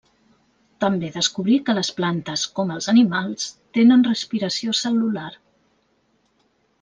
També descobrí que les plantes, com els animals, tenen respiració cel·lular.